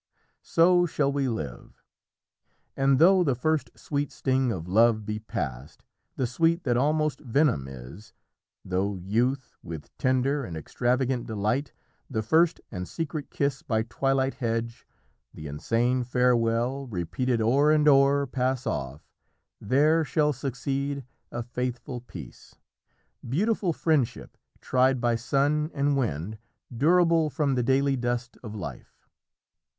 ... So shall we live, And though the first sweet sting of love be past, The sweet that almost venom is; though youth, With tender and extravagant delight, The first and secret kiss by twilight hedge, The insane farewell repeated o'er and o'er, Pass off; there shall succeed a faithful peace; Beautiful friendship tried by sun and wind, Durable from the daily dust of life."